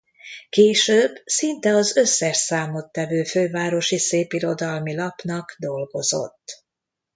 Később szinte az összes számottevő fővárosi szépirodalmi lapnak dolgozott.